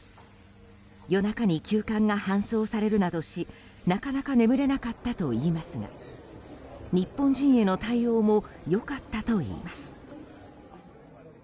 夜中に急患が搬送されるなどしなかなか眠れなかったといいますが日本人への対応も良かったといいます。